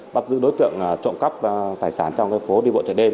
bắt giữ đối tượng trộm cắp tài sản trong phố đi bộ chợ đêm